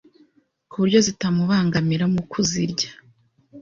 ku buryo zitamubangamira mu kuzirya